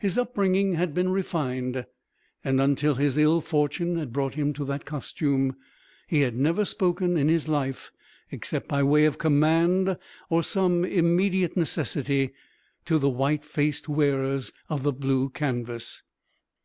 His upbringing had been refined, and, until his ill fortune had brought him to that costume, he had never spoken in his life, except by way of command or some immediate necessity, to the white faced wearers of the blue canvas.